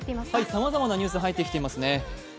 さまざまなニュース入ってきていますね。